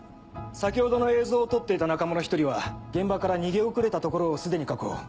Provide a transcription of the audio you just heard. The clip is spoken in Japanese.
先ほどの映像を撮っていた仲間の１人は現場から逃げ遅れたところをすでに確保。